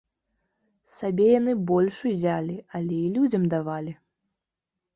Сабе яны больш узялі, але і людзям давалі.